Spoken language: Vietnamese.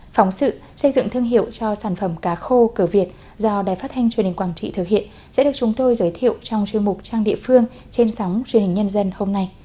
phóng sự xây dựng thương hiệu cho sản phẩm cá khô cửa việt do đài phát thanh truyền hình quảng trị thực hiện sẽ được chúng tôi giới thiệu trong chuyên mục trang địa phương trên sóng truyền hình nhân dân hôm nay